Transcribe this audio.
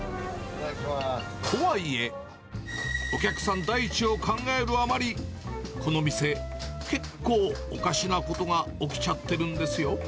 とはいえ、お客さん第一を考えるあまり、この店、結構おかしなことが起きちゃってるんですよ。